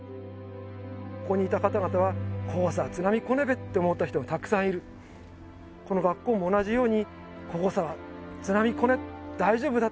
ここにいた方々はここさ津波来ねえべって思った人もたくさんいるこの学校も同じように「ここさ津波来ねえ大丈夫だ」